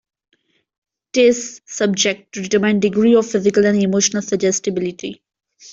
Tests subject to determine degree of physical and emotional suggestibility.